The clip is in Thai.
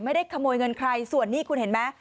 ไม่ได้ขโมยเงินใครส่วนนี้คุณเห็นไหม